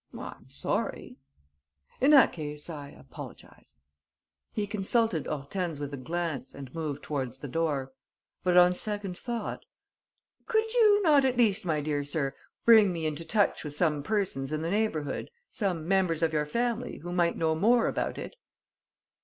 "I'm sorry." "In that case, I apologise." He consulted Hortense with a glance and moved towards the door. But on second thought: "Could you not at least, my dear sir, bring me into touch with some persons in the neighbourhood, some members of your family, who might know more about it?"